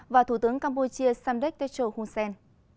và thủ tướng campuchia samdek techo hun sen